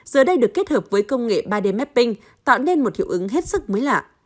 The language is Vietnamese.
giờ đây được kết hợp với công nghệ ba d mapping tạo nên một hiệu ứng hết sức mới lạ